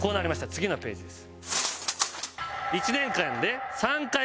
次のページです。